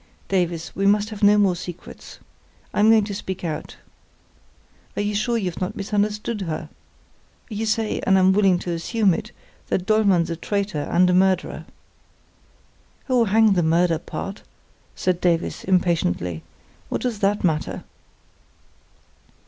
"Davies, we must have no more secrets. I'm going to speak out. Are you sure you've not misunderstood her? You say—and I'm willing to assume it—that Dollmann's a traitor and a murderer." "Oh, hang the murder part!" said Davies, impatiently. "What does that matter?"